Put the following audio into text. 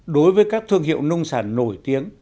đối với các thương hiệu nông sản nổi tiếng